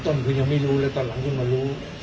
ต้นคุณยังไม่รู้เลยตอนหลังคุณมารู้